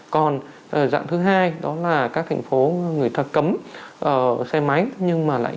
còn dạng thứ hai đó là các thành phố người ta cấm xe máy